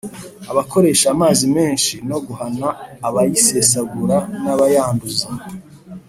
abakoresha amazi menshi no guhana abayasesagura n'abayanduza.